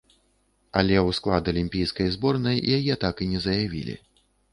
Але ў склад алімпійскай зборнай яе так і не заявілі.